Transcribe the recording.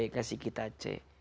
ngasih kita c